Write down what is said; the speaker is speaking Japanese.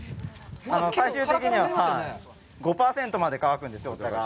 最終的には５％まで乾くんですよ、お茶が。